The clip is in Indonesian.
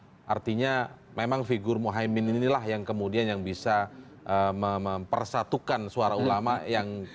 tapi artinya memang figur muhaymin inilah yang kemudian yang bisa mempersatukan suara ulama yang